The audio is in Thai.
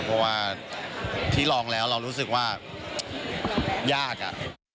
เพราะว่าที่ลองแล้วเรารู้สึกว่ายากอะ